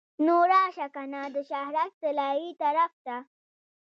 نو راشه کنه د شهرک طلایې طرف ته.